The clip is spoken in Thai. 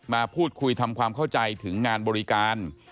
มาพูดคุยทำความเข้าใจถึงงานบริการ